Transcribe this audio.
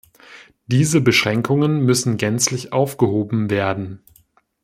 Diese Beschränkungen müssen gänzlich aufgehoben werden.